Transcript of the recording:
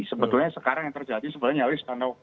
sebetulnya sekarang yang terjadi sebenarnya nyaris karena